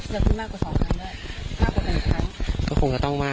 จะมีมากกว่าสองครั้งด้วยมากกว่าหนึ่งครั้งก็คงจะต้องมาก